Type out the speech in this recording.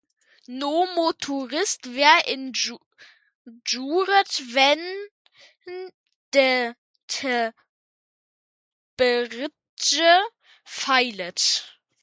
No motorists were injured when the bridge failed.